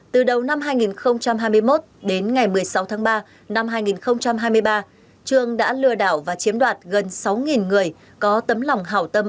từ đầu năm hai nghìn hai mươi một đến ngày một mươi sáu tháng ba năm hai nghìn hai mươi ba trường đã lừa đảo và chiếm đoạt gần sáu người có tấm lòng hào tâm